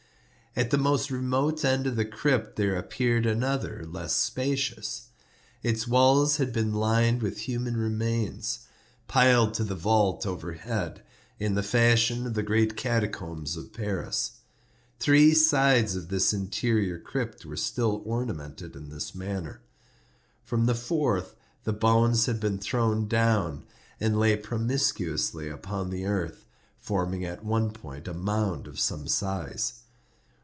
At the most remote end of the crypt there appeared another less spacious. Its walls had been lined with human remains, piled to the vault overhead, in the fashion of the great catacombs of Paris. Three sides of this interior crypt were still ornamented in this manner. From the fourth the bones had been thrown down, and lay promiscuously upon the earth, forming at one point a mound of some size.